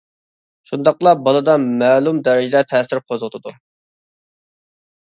شۇنداقلا بالىدا مەلۇم دەرىجىدە تەسىر قوزغىتىدۇ.